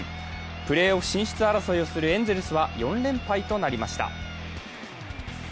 プレーオフ進出争いをするエンゼルスは４連敗となりました。